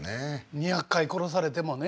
２００回殺されてもね。